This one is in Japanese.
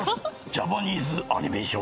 ジャパニーズアニメーション。